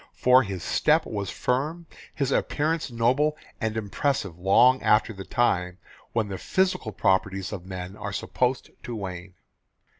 For his step was firm, his appearance noble and impressive long after the time when the physical properties of men are supposed to wane.